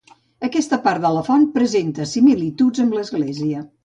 Aquesta part de la font presenta similituds amb l'església.